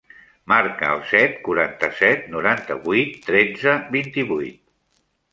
Marca el set, quaranta-set, noranta-vuit, tretze, vint-i-vuit.